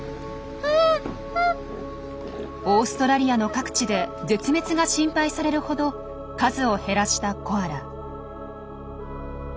オーストラリアの各地で絶滅が心配されるほど数を減らしたコアラ。